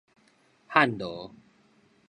漢羅